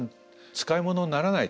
使い物にならない。